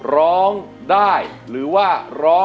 ระดาษ